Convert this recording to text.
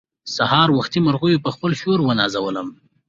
سهار وختي مرغيو په خپل شور ونازولم.